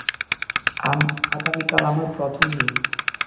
আগামীকাল আমার প্রথম দিন।